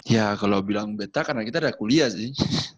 ya kalo bilang betah karena kita udah kuliah sih